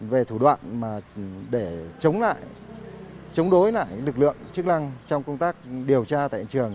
về thủ đoạn để chống lại chống đối lại lực lượng chức năng trong công tác điều tra tại hiện trường